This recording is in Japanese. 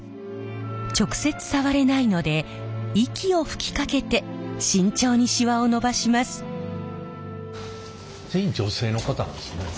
直接触れないので息を吹きかけて慎重にシワをのばします。